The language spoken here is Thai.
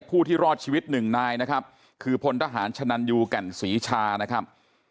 ผู้ที่รอดชีวิตหนึ่งนายนะครับคือพลทหารชนันยูแก่นศรีชานะครับ